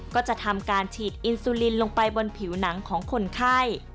ก็จะทำการฉีดอินซูลินลงไปบนผิวหนังของคนไข้